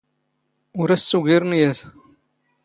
ⵓⵔ ⴰⵙ ⵙⵓⴳⵉⵔⵏ ⵢⴰⵜ.